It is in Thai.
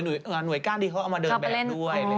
หน่วยก้านที่เขาเอามาเดินแบบด้วย